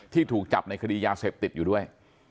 ถูกจับในคดียาเสพติดอยู่ด้วย